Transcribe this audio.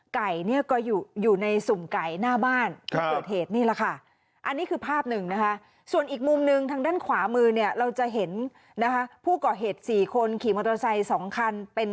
ไก่เนี่ยก็อยู่ในสุ่มไก่หน้าบ้านที่เกิดเหตุนี่แหละค่ะอันนี้คือภาพหนึ่งนะคะส่วนอีกมุมหนึ่งทางด้านขวามือเนี่ยเราจะเห็นนะคะผู้ก่อเหตุ๔คนขี่มอเตอร์ไซค์๒คันเป็น